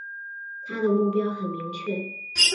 他的目标很明确